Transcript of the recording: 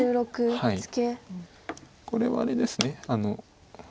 これはあれです。